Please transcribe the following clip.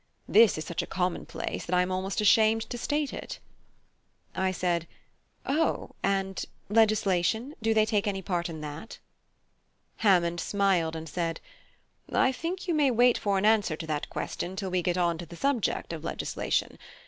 This is such a commonplace that I am almost ashamed to state it." I said, "O; and legislation? do they take any part in that?" Hammond smiled and said: "I think you may wait for an answer to that question till we get on to the subject of legislation.